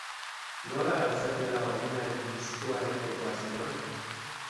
Nola gauzatu da omenaldi diskoa egiteko asmoa?